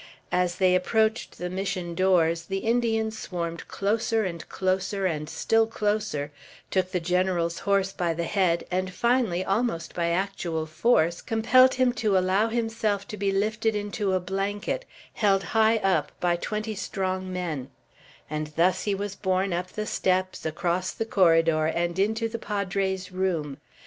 As they approached the Mission doors the Indians swarmed closer and closer and still closer, took the General's horse by the head, and finally almost by actual force compelled him to allow himself to be lifted into a blanket, held high up by twenty strong men; and thus he was borne up the steps, across the corridor, and into the Padre's room.